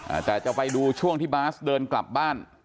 อาจจะไปดูช่วงที่บาสเดินกลับบ้าน